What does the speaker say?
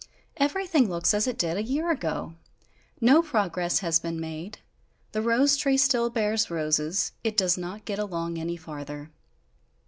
"Everything looks as it did a year ago! No progress has been made; the rose tree still bears roses; it does not get along any farther!"